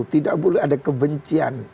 tidak boleh ada kebencian